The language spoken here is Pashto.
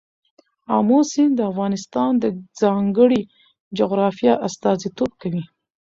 آمو سیند د افغانستان د ځانګړي جغرافیه استازیتوب کوي.